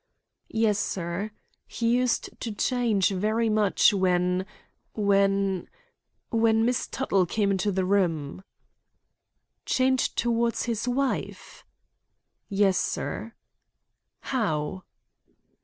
"Yes, sir. He used to change very much when—when—when Miss Tuttle came into the room." "Change toward his wife?" "Yes, sir." "How?"